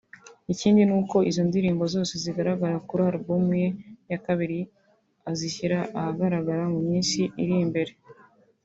Ikindi nuko izo ndirimbo zose zizagaragara kuri album ye ya kabiri azashyira ahagaragara mu minsi iri imbere